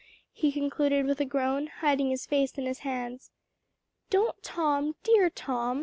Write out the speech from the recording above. he concluded with a groan, hiding his face in his hands. "Don't, Tom, dear Tom!"